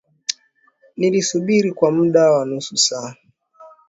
Nilisubiri kwa muda wa nusu saa